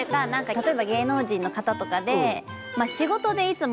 例えば芸能人の方とかで。